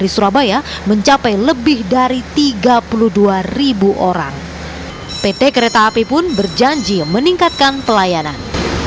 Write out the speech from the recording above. sekretah api pun berjanji meningkatkan pelayanan